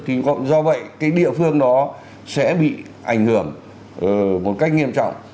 do vậy cái địa phương đó sẽ bị ảnh hưởng một cách nghiêm trọng